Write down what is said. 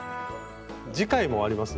次回もありますんで。